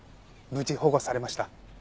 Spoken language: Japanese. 無事保護されました。